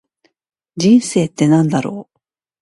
人生って何だろう。